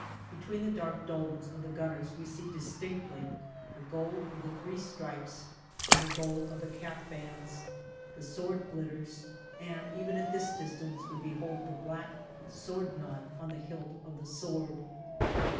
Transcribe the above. Be tween the dark dolmans of the gunners we see distinctly the gold of the three stripes and the gold of the cap bands : the sword glitters, and even at this distance we behold the black sword knot on the hilt of the sword.